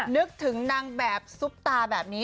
นึกถึงนางแบบซุปตาแบบนี้